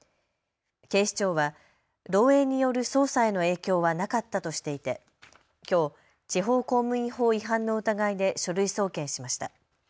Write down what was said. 警視庁は漏洩による捜査への影響はなかったとしていてきょう地方公務員法違反の疑いで書類送検しました。